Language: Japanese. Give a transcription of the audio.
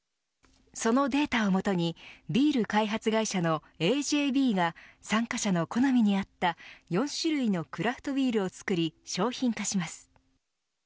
そのデータをもとにビール開発会社のＡＪＢＣｏ．が参加者の好みに合った４種類のクラフトビールを作り商品化します。